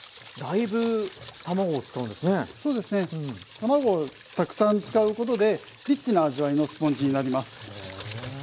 卵をたくさん使うことでリッチな味わいのスポンジになります。